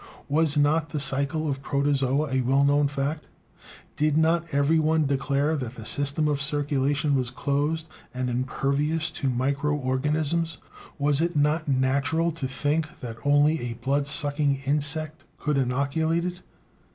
Was not the cycle of the protozoa a well known fact? Did not every one declare that the system of circulation was closed and impervious to micro organisms? Was it not natural to think that only a blood sucking insect could innoculate it?